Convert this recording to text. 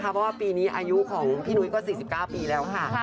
เพราะว่าปีนี้อายุของพี่นุ้ยก็๔๙ปีแล้วค่ะ